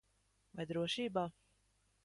Vai drošībā?